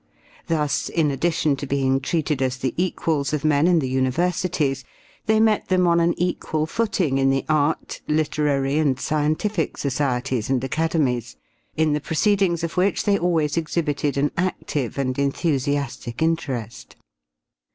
Thus, in addition to being treated as the equals of men in the universities, they met them on an equal footing in the art, literary and scientific societies and academies, in the proceedings of which they always exhibited an active and enthusiastic interest.